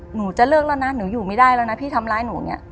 หนูจะเลิกแล้วนะหนูอยู่ไม่ได้แล้วนะพี่ทำร้ายหนูอย่างนี้